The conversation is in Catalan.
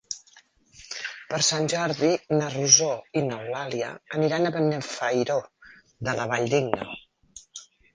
Per Sant Jordi na Rosó i n'Eulàlia aniran a Benifairó de la Valldigna.